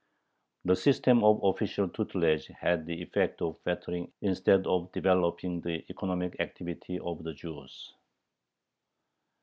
The system of official tutelage had the effect of fettering instead of developing the economic activity of the Jews.